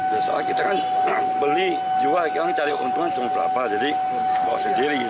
biasanya kita kan beli jual cari keuntungan semua berapa jadi bawa sendiri gitu